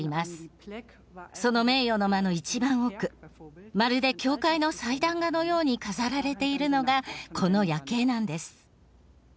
その名誉の間の一番奥まるで教会の祭壇画のように飾られているのがこの「夜警」なんです。